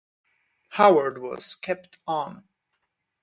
Howard was kept on.